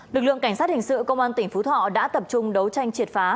lực lượng cảnh sát hình sự công an tỉnh phú thọ đã tập trung đấu tranh triệt phá